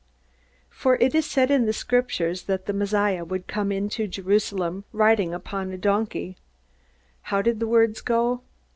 For it said in the Scriptures that the Messiah would come into Jerusalem riding upon a donkey. How did the words go?